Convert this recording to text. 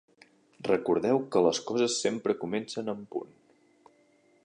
Recordeu que les coses sempre comencen en punt.